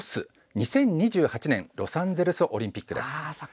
２０２８年ロサンゼルスオリンピックです。